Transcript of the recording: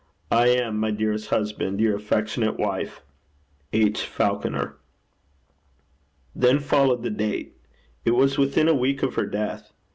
I am, my dearest Husband, your affectionate Wife, 'H. FALCONER.' Then followed the date. It was within a week of her death.